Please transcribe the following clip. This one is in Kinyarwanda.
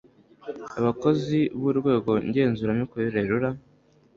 abakozi burwego ngenzuramikorere rura